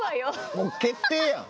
もう決定やん。